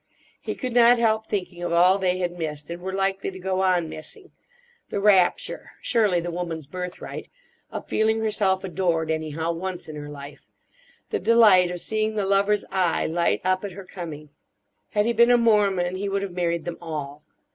He could not help thinking of all they had missed, and were likely to go on missing; the rapture—surely the woman's birthright—of feeling herself adored, anyhow, once in her life; the delight of seeing the lover's eye light up at her coming. Had he been a Mormon he would have married them all.